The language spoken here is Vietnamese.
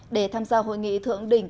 để tham gia hội nghị thượng đỉnh